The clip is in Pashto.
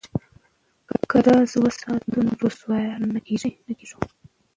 که راز وساتو نو رسوا نه کیږو.